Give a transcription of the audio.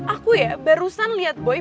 aku ya barusan lihat boy